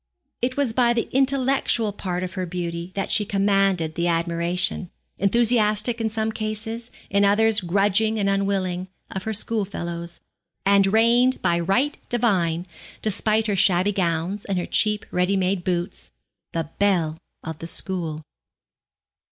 It was by the intellectual part of her beauty that she commanded the admiration enthusiastic in some cases, in others grudging and unwilling of her schoolfellows, and reigned by right divine, despite her shabby gowns and her cheap ready made boots, the belle of the school.